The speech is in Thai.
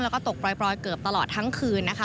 แล้วก็ตกปล่อยเกือบตลอดทั้งคืนนะคะ